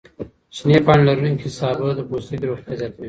شنې پاڼې لروونکي سابه د پوستکي روغتیا زیاتوي.